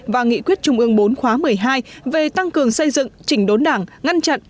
và nghị quyết trung ương bốn khóa một mươi hai về tăng cường xây dựng chỉnh đốn đảng ngăn chặn